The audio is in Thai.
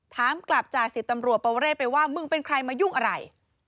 ถามกลับจ่าสิบตำรวจปวเรศไปว่ามึงเป็นใครมายุ่งอะไร